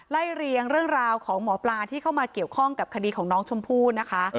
เรียงเรื่องราวของหมอปลาที่เข้ามาเกี่ยวข้องกับคดีของน้องชมพู่นะคะ